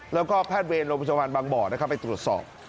แล้วก็แพทย์เวรโรงพยาบาลบางบ่อนะครับไปตรวจสอบ